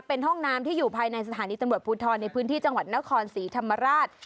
เป็นห้องน้ำที่อยู่ภายในสถานีตำรวจภูทรในพื้นที่จังหวัดนครศรีธรรมราช